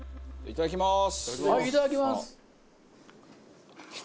いただきます。